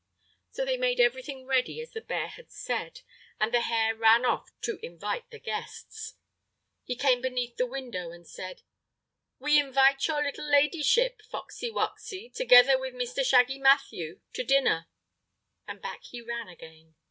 So they made everything ready as the bear had said, and the hare ran off to invite the guests. He came beneath the window and said: "We invite your little ladyship, Foxy Woxy, together with Mr. Shaggy Matthew, to dinner"—and back he ran again.